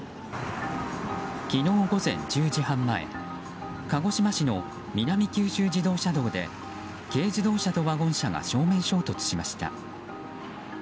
昨日午前１０時半前鹿児島市の南九州自動車道で軽自動車とワゴン車が正面衝突しました。